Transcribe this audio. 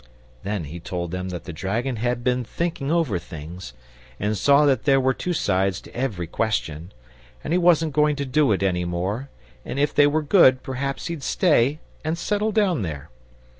Then he told them that the dragon had been thinking over things, and saw that there were two sides to every question, and he wasn't going to do it any more, and if they were good perhaps he'd stay and settle down there.